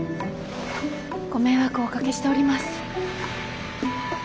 ご迷惑をおかけしております。